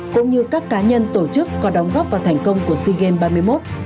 cũng như các cá nhân tổ chức có đóng góp vào thành công của sea games ba mươi một